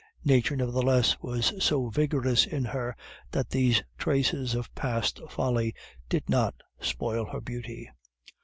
Nature nevertheless was so vigorous in her, that these traces of past folly did not spoil her beauty.